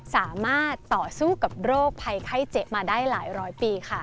สามารถต่อสู้กับโรคภัยไข้เจ็บมาได้หลายร้อยปีค่ะ